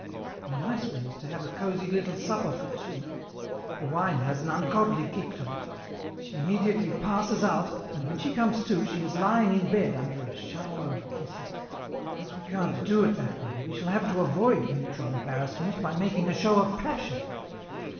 The nice way is to have a cosy little supper for two. The wine has an ungodly kick to it. She immediately passes out, and when she comes to she is lying in bed under a shower of kisses. As we can't do it that way we shall have to avoid mutual embarrassment by making a show of passion.